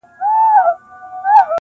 نازکبچياننازکګلونهيېدلېپاتهسي-